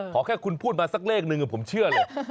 ขอแค่คุณพูดมาสักเลขหนึ่งผมเชื่อเลย